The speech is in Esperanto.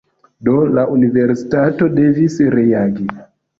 Do, la universitato devis reagi